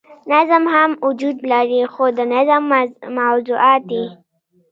نظم هم وجود لري خو د نظم موضوعات ئې